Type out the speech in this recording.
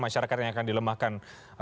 masyarakatnya akan dilemahkan